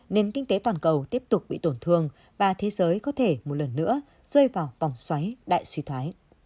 nền kinh tế toàn cầu tiếp tục bị tổn thương và thế giới có thể một lần nữa rơi vào vòng xoáy đại suy thoái